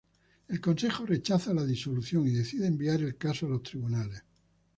El Consejo rechaza la disolución y decide enviar el caso a los tribunales.